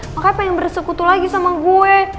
makanya pengen bersekutu lagi sama gue